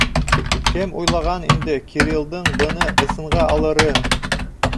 Кем уйлаған инде Кириллдың быны ысынға алырын?!